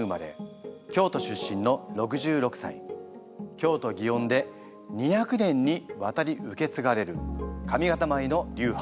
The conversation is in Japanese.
京都・祗園で２００年にわたり受けつがれる上方舞の流派